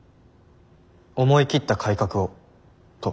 思い切った改革をと。